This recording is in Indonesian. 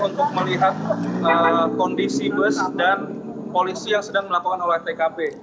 untuk melihat kondisi bus dan polisi yang sedang melakukan olah tkp